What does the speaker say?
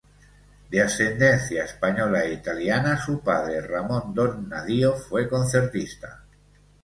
De ascendencia española e italiana, su padre Ramón Donna-Dío fue concertista.